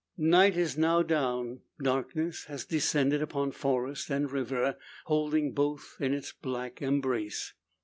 Night is now down; darkness has descended upon forest and river, holding both in its black embrace.